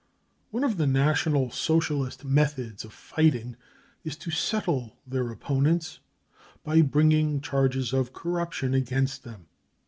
One of the National < Socialist methods of fighting is to 44 settle 53 their opponents by bringing charges of corruption against them.